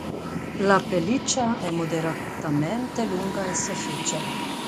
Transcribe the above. La pelliccia è moderatamente lunga e soffice.